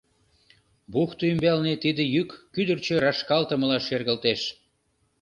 Бухто ӱмбалне тиде йӱк кӱдырчӧ рашкалтымыла шергылтеш.